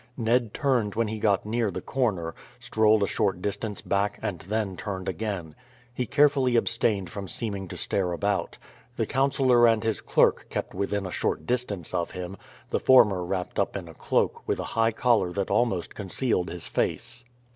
Ned turned when he got near the corner, strolled a short distance back and then turned again. He carefully abstained from seeming to stare about. The councillor and his clerk kept within a short distance of him, the former wrapped up in a cloak with a high collar that almost concealed his face.